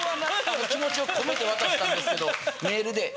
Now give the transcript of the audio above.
気持ちを込めて渡したんですけどメールで。